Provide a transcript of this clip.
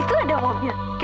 oh seperti si